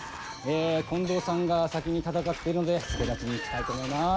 え近藤さんが先に戦ってるので助太刀に行きたいと思います。